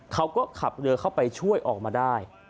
เขาก็ขับเรือเข้าไปช่วยออกมาได้